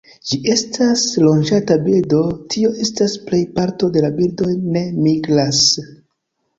Ĝi estas loĝanta birdo, tio estas, plej parto de birdoj ne migras.